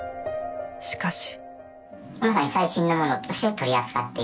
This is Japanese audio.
しかし。